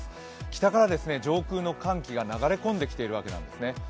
北から上空の寒気が流れ込んでいるんですね。